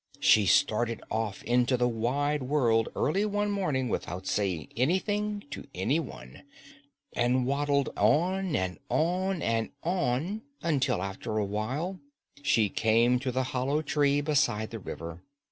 She started off into the wide world early one morning without saying anything to any one, and waddled on and on and on until after a while she came to the hollow tree beside the river.